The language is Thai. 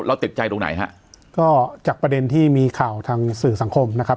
ติดใจตรงไหนฮะก็จากประเด็นที่มีข่าวทางสื่อสังคมนะครับ